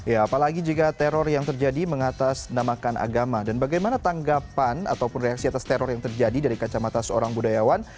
ya apalagi jika teror yang terjadi mengatasnamakan agama dan bagaimana tanggapan ataupun reaksi atas teror yang terjadi dari kacamata seorang budayawan